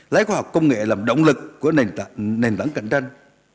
lấy khoa học công nghệ làm động lực của nền tảng cạnh tranh